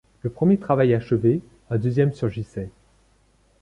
Un premier travail achevé, un deuxième surgissait.